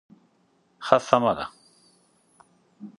ښه سمه ده.